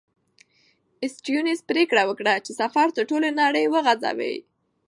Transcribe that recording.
سټيونز پرېکړه وکړه چې سفر تر ټولې نړۍ وغځوي.